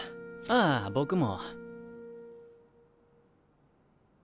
ああ僕も。